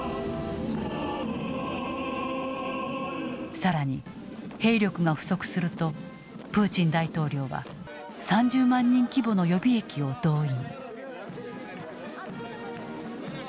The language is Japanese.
更に兵力が不足するとプーチン大統領は３０万人規模の予備役を動員。